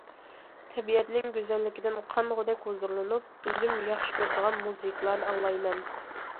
تەبىئەتنىڭ گۈزەللىكىدىن قانغۇدەك ھۇزۇرلىنىپ، ئۆزۈم ياخشى كۆرىدىغان مۇزىكىلارنى ئاڭلايمەن.